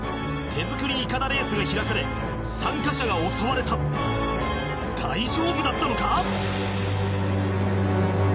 手作りいかだレースが開かれ参加者が襲われた大丈夫だったのか？